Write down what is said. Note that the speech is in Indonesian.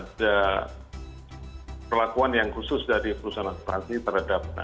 dan perlakuan yang khusus dari perusahaan asuransi terhadap nasabah